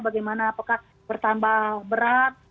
bagaimana apakah bertambah berat